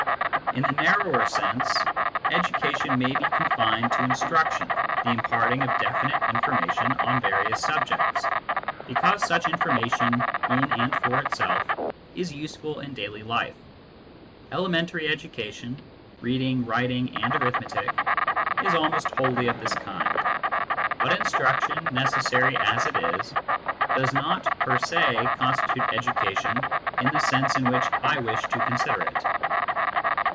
In the narrower sense, education may be confined to instruction, the imparting of definite information on SCIENCE AND CULTURE 37 various subjects, because such information, in and for itself, is useful in daily life. Elementary education reading, writing, and arithmetic is almost wholly of this kind. But instruction, necessary as it is, does not per se constitute education in the sense in which I wish to consider it.